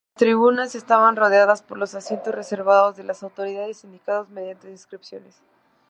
Las tribunas estaban rodeadas por los asientos reservados a las autoridades, indicados mediante inscripciones.